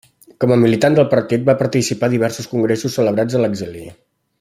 Com a militant del partit, va participar a diversos congressos celebrats a l'exili.